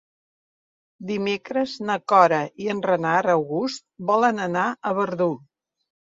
Dimecres na Cora i en Renat August volen anar a Verdú.